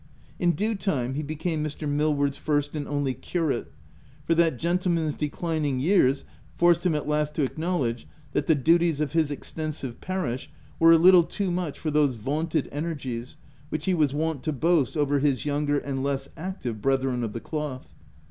In due time, he became Mr. Millward's first and only curate — for that gentleman's declining years forced him at last to acknowledge that the duties of his extensive parish were a little too much for those vaunted energies which he was wont to boast over his younger and less active brethren of the cloth.